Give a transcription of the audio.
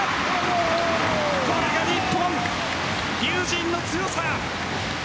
これが日本龍神の強さ。